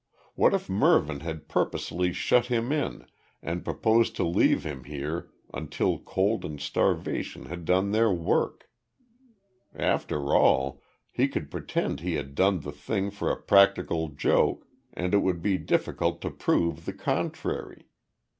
What if Mervyn had purposely shut him in and proposed to leave him here until cold and starvation had done their work? After all, he could pretend he had done the thing for a practical joke, and it would be difficult to prove the contrary.